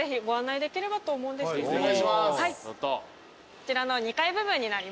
こちらの２階部分になります。